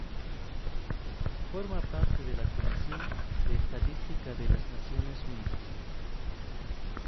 Forma parte de la Comisión de Estadística de las Naciones Unidas.